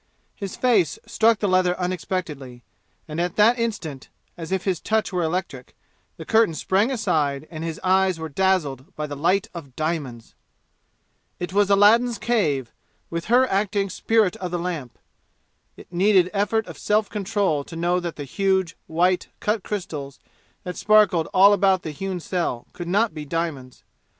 His face struck the leather unexpectedly, and at that instant, as if his touch were electric, the curtain sprang aside and his eyes were dazzled by the light of diamonds. It was Aladdin's Cave, with her acting spirit of the lamp! It needed effort of self control to know that the huge, white, cut crystals that sparkled all about the hewn cell could not be diamonds.